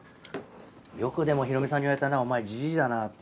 よくでもヒロミさんに言われたな「お前じじいだな」って。